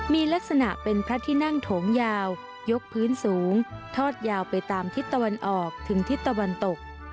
มีลักษณะเป็นพระที่นั่งโถงยาวยกพื้นสูงทอดยาวไปตามทิศตะวันออกถึงทิศตะวันตก